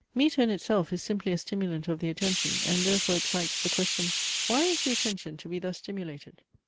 Metre in itself is simply a stimulant of the attention, and therefore excites the question: Why is the attention to be thus stimulated?